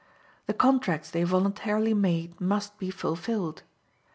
The contracts they voluntarily made must be fulfilled.